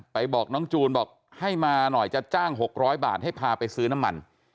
บอกน้องจูนบอกให้มาหน่อยจะจ้าง๖๐๐บาทให้พาไปซื้อน้ำมัน